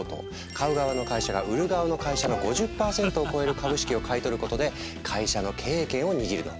買う側の会社が売る側の会社の５０％を超える株式を買い取ることで会社の経営権を握るの。